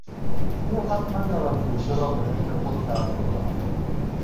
او حق ندارد بودجه را به میل خود خرج بکند.